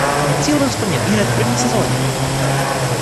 Cíl byl splněn ihned v první sezóně.